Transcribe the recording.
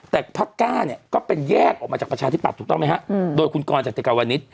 แต่พักก้าเนี่ยก็เป็นแยกออกมาจากประชาธิปัตย์ถูกต้องไหมฮะโดยคุณกรจติกาวนิษฐ